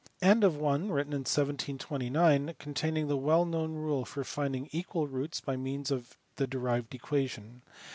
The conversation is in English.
332); and of one, written in 1729, containing the well known rule for finding equal roots by means of the derived equation.